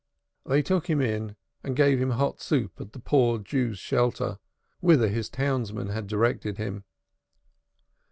They took him in and gave him hot soup at a Poor Jews' Shelter, whither his townsman had directed him.